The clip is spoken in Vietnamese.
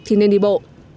thì nên đi bộ